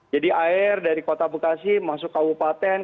jadi air dari kota bekasi masuk kabupaten